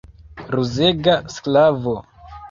Ruzega sklavo!